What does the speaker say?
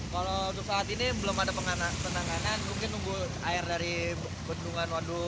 kalau untuk saat ini belum ada penanganan mungkin nunggu air dari bendungan waduk